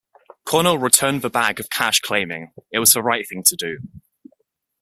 Cornell returned the bag of cash claiming, it was the right thing to do.